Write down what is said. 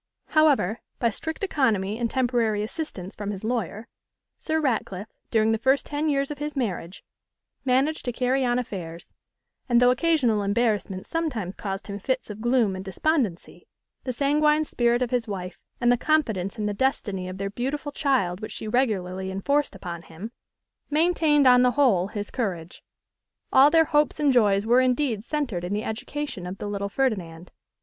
However, by strict economy and temporary assistance from his lawyer, Sir Ratcliffe, during the first ten years of his marriage, managed to carry on affairs; and though occasional embarrassments sometimes caused him fits of gloom and despondency, the sanguine spirit of his wife, and the confidence in the destiny of their beautiful child which she regularly enforced upon him, maintained on the whole his courage. All their hopes and joys were indeed centred in the education of the little Ferdinand.